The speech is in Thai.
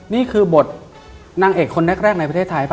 นี่คือบทนางเอกคนแรกในประเทศไทยป่